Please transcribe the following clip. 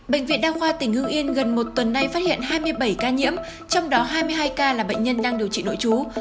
bệnh viện đa khoa tỉnh hưng yên gần một tuần nay phát hiện hai mươi bảy ca nhiễm trong đó hai mươi hai ca là bệnh nhân đang điều trị nội trú